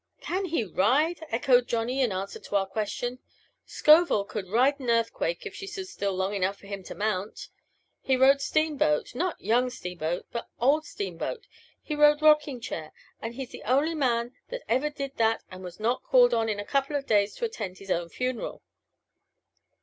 "Can he ride?" echoed Johnny in answer to our question. "Scovel could ride an earthquake if she stood still long enough for him to mount! He rode Steamboat not Young Steamboat, but Old Steamboat! He rode Rocking Chair, and he's the only man that ever did that and was not called on in a couple of days to attend his own funeral."